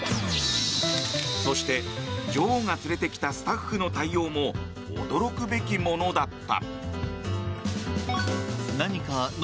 そして、女王が連れてきたスタッフの対応も驚くべきものだった。